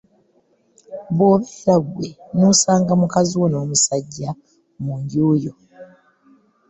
Bw’obeera ggwe n’osanga mukazi wo n’omusajja mu nju yo.